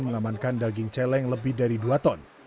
mengamankan daging celeng lebih dari dua ton